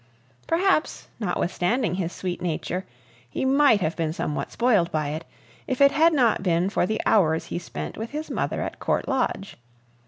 Perhaps, notwithstanding his sweet nature, he might have been somewhat spoiled by it, if it had not been for the hours he spent with his mother at Court Lodge.